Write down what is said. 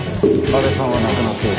阿部さんは亡くなっている。